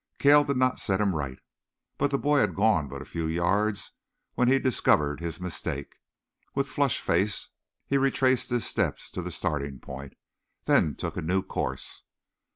Cale did not set him right. But the boy had gone but a few yards when he discovered his mistake. With flushed face, he retraced his steps to the starting point, then took a new course.